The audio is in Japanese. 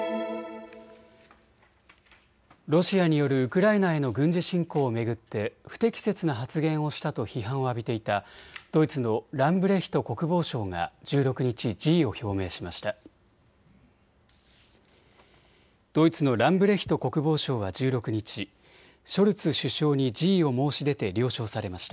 ロシアによるウクライナへの軍事侵攻を巡って不適切な発言をしたと批判を浴びていたドイツのランブレヒト国防相が１６日、辞意を表明しました。